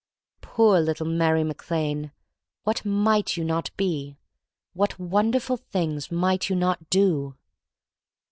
Poor little Mary Mac Lane! — what might you not be? What wonderful things might you not do?